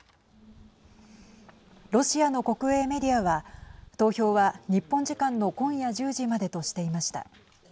ロシアの国営メディアは投票は日本時間の今夜１０時までとしていました。